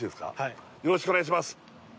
よろしくお願いします